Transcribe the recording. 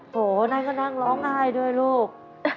โหนั่นก็นั่งร้องไห้ด้วยลูก